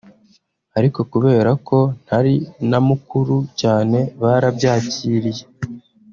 ariko kubera ko ntari na mukuru cyane barabyakiriye